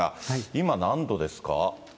今、何度ですか。